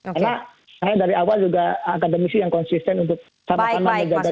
karena saya dari awal juga akademisi yang konsisten untuk sama sama menjaga demokrasi di republik ini